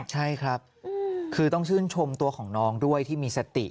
ใช่ครับคือต้องชื่นชมตัวของน้องด้วยที่มีสติ